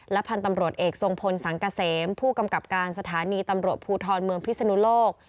พันธุ์ตำรวจเอกทรงพลสังกะเสมผู้กำกับการสถานีตำรวจภูทรเมืองพิศนุโลก